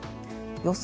予想